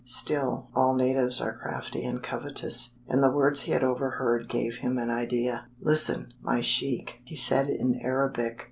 Still, all natives are crafty and covetous, and the words he had overheard gave him an idea. "Listen, my sheik," he said in Arabic.